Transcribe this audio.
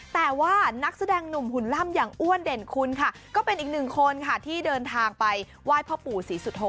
แต่ว่านักแสดงหนุ่มหุ่นล่ำอย่างอ้วนเด่นคุณค่ะก็เป็นอีกหนึ่งคนค่ะที่เดินทางไปไหว้พ่อปู่ศรีสุโธ